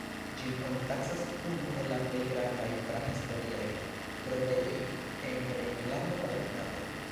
Ĝin oni taksas unu el la plej gravaj prahistoriaj trovejoj en Rejnlando-Palatinato.